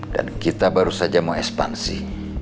dan kita baru saja mau ekspansi